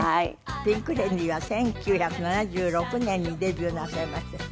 ピンク・レディーは１９７６年にデビューなさいまして。